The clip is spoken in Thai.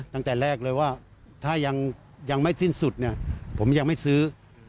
ตั้งแต่แรกเลยว่าถ้ายังไม่สิ้นสุดเนี่ยผมยังไม่ซื้อ